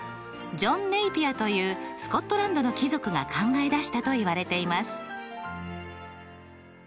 ジョン・ネイピアというスコットランドの貴族が考え出したといわれています。